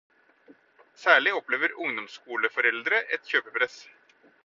Særlig opplever ungdomsskoleforeldre et kjøpepress.